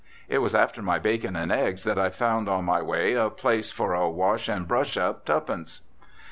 It was after my bacon and eggs that I found on my way a place for a "wash and brush up, tuppence."